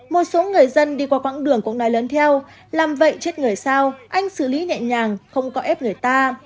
một số người dân đi qua quãng đường cũng nói lớn theo làm vậy chết người sao anh xử lý nhẹ nhàng không có ép người ta